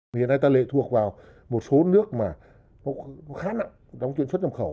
hiện nay ta lệ thuộc vào một số nước mà khá nặng trong chuyện xuất nhập khẩu